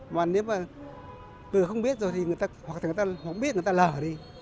mà nếu mà từ không biết rồi thì người ta hoặc là người ta không biết người ta lở đi